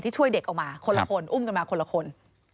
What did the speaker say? ที่ช่วยเด็กออกมาอุ้มกันมาคนละคน